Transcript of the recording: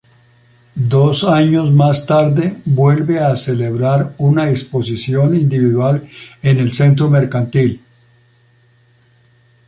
Dos años más tarde vuelve a celebrar una exposición individual en el Centro Mercantil.